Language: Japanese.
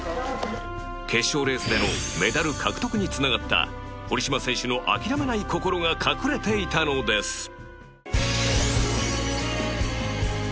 決勝レースでのメダル獲得につながった堀島選手の諦めない心が隠れていたのです